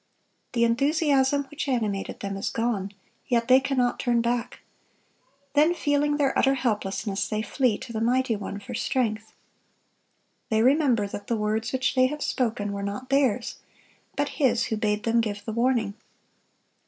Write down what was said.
The enthusiasm which animated them is gone; yet they cannot turn back. Then, feeling their utter helplessness, they flee to the Mighty One for strength. They remember that the words which they have spoken were not theirs, but His who bade them give the warning.